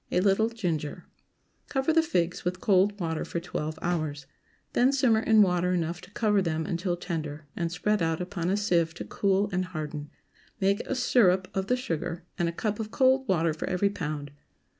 A little ginger. Cover the figs with cold water for twelve hours. Then simmer in water enough to cover them until tender, and spread out upon a sieve to cool and harden. Make a syrup of the sugar, and a cup of cold water for every pound.